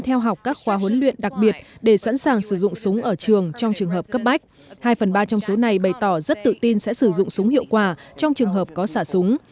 theo học các khóa huấn luyện đặc biệt để sẵn sàng sử dụng súng ở trường trong trường hợp cấp bách hai phần ba trong số này bày tỏ rất tự tin sẽ sử dụng súng hiệu quả trong trường hợp có xả súng